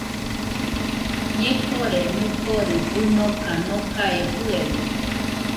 Ñekore mɨkori fɨnoka nokae fɨebite